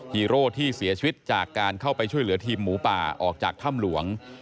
ฮีโร่ที่เสียชีวิตจากการเข้าไปช่วยเหลือทีมหมูป่าออกจากถ้ำหลวง